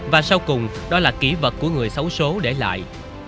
và sau cùng đó là kỹ vật của người xấu xố để lại